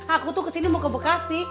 aku tuh kesini mau ke bekasi